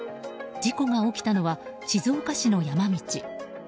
事故が起きたのは静岡市の山道。